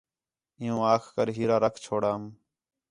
عیوں آکھ کر ہیرا رکھ چھوڑام